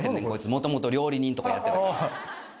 こいつもともと料理人とかやってたから。